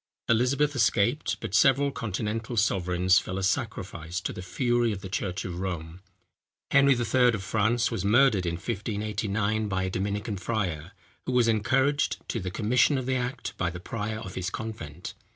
Elizabeth escaped; but several continental sovereigns fell a sacrifice to the fury of the church of Rome. Henry III., of France, was murdered in 1589, by a Dominican friar, who was encouraged to the commission of the act by the prior of his convent.